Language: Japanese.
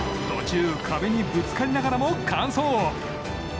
途中、壁にぶつかりながらも完走。